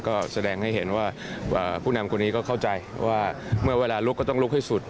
ก็แสดงให้เห็นว่าผู้นำคนนี้ก็เข้าใจว่าเมื่อเวลาลุกก็ต้องลุกให้สุด